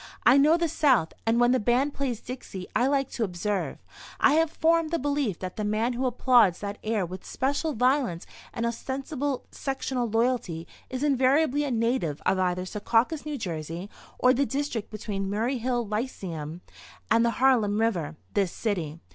I know the South, and when the band plays 'Dixie' I like to observe. I have formed the belief that the man who applauds that air with special violence and ostensible sectional loyalty is invariably a native of either Secaucus, N.J., or the district between Murray Hill Lyceum and the Harlem River, this city.